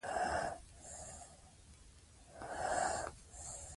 هغه د پاکوالي وسایل په سمه توګه کاروي.